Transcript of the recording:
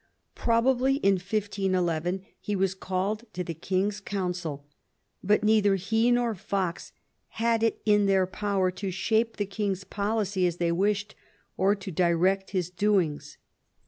Probably in 1511 he was called to the King's Council, but neither he nor Fox had it in their power to shape the king's policy as they wished, or to direct his doings.